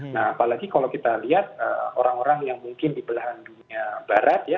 nah apalagi kalau kita lihat orang orang yang mungkin di belahan dunia barat ya